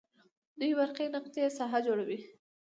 دوې برقي نقطې ساحه جوړوي.